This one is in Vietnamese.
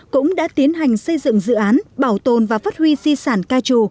cũng đã tiến hành xây dựng dự án bảo tồn và phát huy di sản ca trù